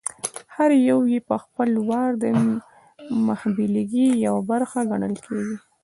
هر یو یې په خپل وار د مخبېلګې یوه برخه ګڼل کېږي.